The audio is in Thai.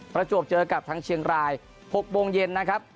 ประจวบเจอกับทางเชียงราย๖โมงเย็นนะครับ